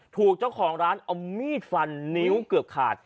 ถูกเจ้าของร้านเอามีดฟันนิ้วเกือบขาด